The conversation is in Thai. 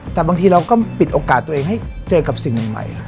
แต่บางทีเราก็ปิดโอกาสตัวเองให้เจอกับสิ่งใหม่